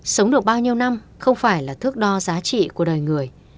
sống được bao nhiêu năm không phải là thước đo giá trị của đời người